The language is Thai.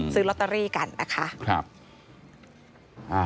ซื้อลอตเตอรี่กันนะคะ